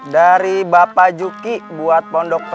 dari bapak juki buat pondok